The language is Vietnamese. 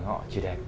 họ chỉ đẹp